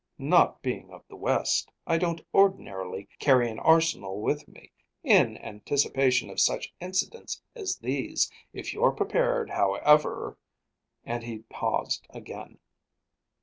"Not being of the West, I don't ordinarily carry an arsenal with me, in anticipation of such incidents as these. If you're prepared, however, " and he paused again.